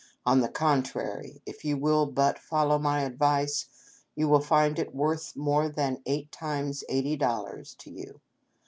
On the con trary, if you will but follow my advice, you will find it worth more than eight times eighty dollars to you.